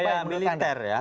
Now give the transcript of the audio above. ini gaya militer ya